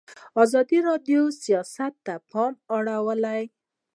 ازادي راډیو د سیاست ته پام اړولی.